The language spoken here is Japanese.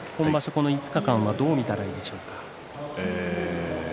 この５日間はどう見たらいいでしょうか。